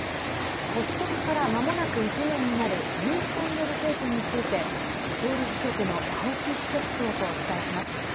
発足から、まもなく１年になるユン・ソンニョル政権についてソウル支局の青木支局長とお伝えします。